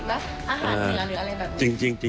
อาหารเหนือหรืออะไรแบบนี้